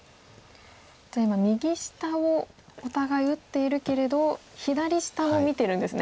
じゃあ今右下をお互い打っているけれど左下を見てるんですね。